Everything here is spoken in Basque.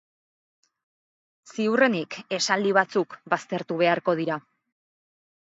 Ziurrenik esaldi batzuk baztertu beharko dira.